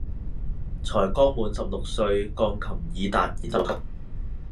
才剛滿十六歲鋼琴己逹演奏級